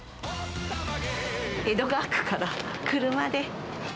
江戸川区から、車で。